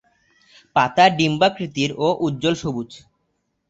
পাতা ডিম্বাকৃতির ও উজ্জ্বল সবুজ।